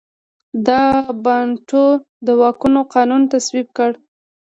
د بانټو د واکونو قانون تصویب کړ.